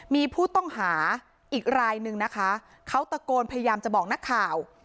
มีผู้ต้องหาอีกรายนึงนะคะเขาตะโกนพยายามจะบอกนักข่าว